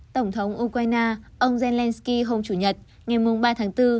tổng thống ukraine ông zelensky hôm chủ nhật ngày mùng ba tháng bốn